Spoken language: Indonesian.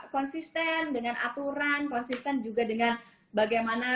konsisten dengan aturan konsisten juga dengan bagaimana